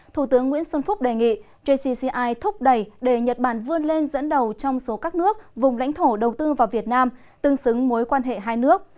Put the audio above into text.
thủ tướng nguyễn xuân phúc đề nghị jcci thúc đẩy để nhật bản vươn lên dẫn đầu trong số các nước vùng lãnh thổ đầu tư vào việt nam tương xứng mối quan hệ hai nước